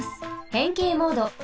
へんけいモード。